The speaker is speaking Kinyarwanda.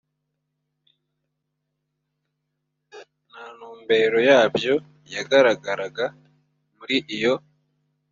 nta ntumbero yabyo yagaragaraga muri iyo